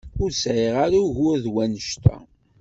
Ur sɛiɣ ara ugur d wannect-a.